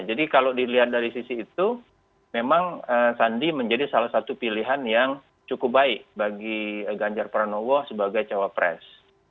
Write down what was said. jadi kalau dilihat dari sisi itu memang sandi menjadi salah satu pilihan yang cukup baik bagi ganjar peranowo sebagai cawapres